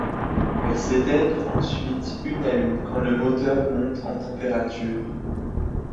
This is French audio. Elles s'éteignent ensuite une à une quand le moteur monte en température.